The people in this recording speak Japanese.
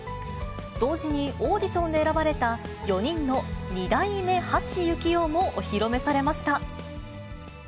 同時にオーディションで選ばれた４人の２代目橋幸夫もお披露目されました。